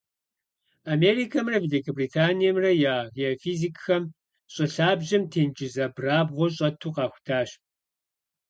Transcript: Америкэмрэ Великобританиемрэ я геофизикхэм щӀы лъабжьэм тенджыз абрагъуэ щӀэту къахутащ.